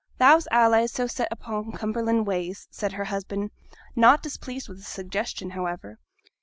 'Thou's allays so set upo' Cumberland ways!' said her husband, not displeased with the suggestion, however.